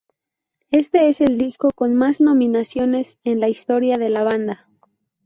Este es el disco con más nominaciones en la historia de la banda.